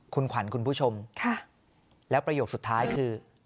คุณขวัญคุณผู้ชมแล้วประโยคสุดท้ายคือ